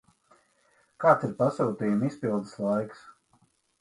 Kāds ir pasūtījuma izpildes laiks?